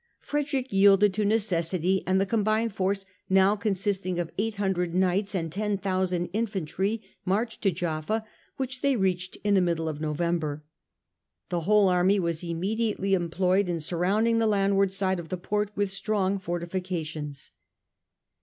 Frederick yielded to necessity, and the combined force, now consisting of eight hundred knights and ten thousand infantry, marched to Jaffa, which they reached in the middle of November. The whole army was immediately employed in surrounding the landward side of the port with strong fortifications.